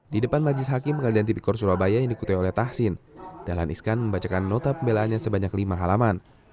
di depan majlis hakim pengadilan tipikor surabaya yang dikutai oleh tahsin dahlan iskan membacakan nota pembelaannya sebanyak lima halaman